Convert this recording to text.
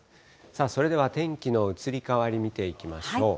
それでは天気の移り変わり見ていきましょう。